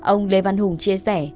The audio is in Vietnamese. ông lê văn hùng chia sẻ